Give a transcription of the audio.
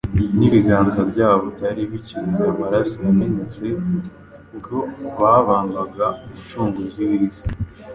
nibiganza byabo byari bicyuzuye amaraso yamenetse ubwo babambaga Umucunguzi w’isi.